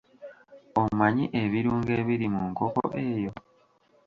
Omanyi ebirungo ebiri mu nkoko eyo?